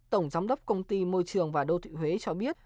tổng giám đốc công ty môi trường và đô thị huế cho biết